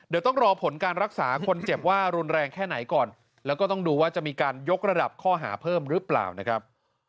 เดี๋ยวต้องรอผลการรักษาคนเจ็บว่ารุนแรงแค่ไหนก่อนแล้วก็ต้องดูว่าจะมีการยกระดับข้อหาเพิ่มหรือเปล่านะครับ